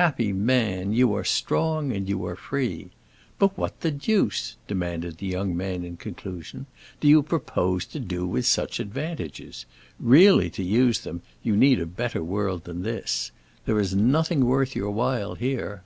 Happy man, you are strong and you are free. But what the deuce," demanded the young man in conclusion, "do you propose to do with such advantages? Really to use them you need a better world than this. There is nothing worth your while here."